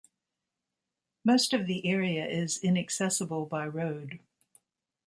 Most of the area is inaccessible by road.